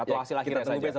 atau hasil akhirnya saja